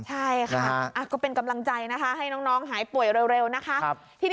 ใช่ค่ะก็เป็นกำลังใจนะคะให้น้องหายป่วยเร็วนะคะ